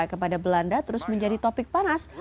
kepada belanda terus menjadi topik panas